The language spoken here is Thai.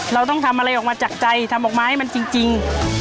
เราต้องทำอะไรออกมาจากใจทำออกมาให้มันจริง